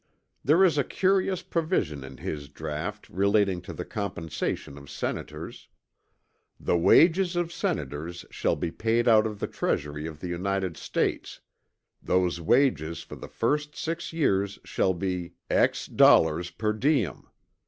There is a curious provision in his draught relating to the compensation of Senators: "The wages of Senators shall be paid out of the treasury of the United States; those wages for the first six years shall be dollars per diem.